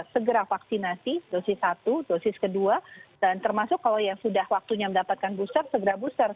segera vaksinasi dosis satu dosis kedua dan termasuk kalau yang sudah waktunya mendapatkan booster segera booster